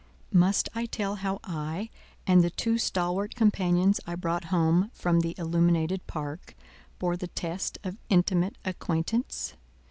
Must I tell how I and the two stalwart companions I brought home from the illuminated park bore the test of intimate acquaintance?